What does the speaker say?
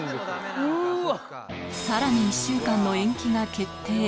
さらに１週間の延期が決定。